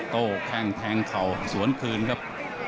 โต้แข้งแทงเข่าสวนคืนครับ